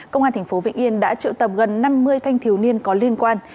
công an tp vĩnh yên đã triệu tập gần năm mươi thanh thiếu niên có liên quan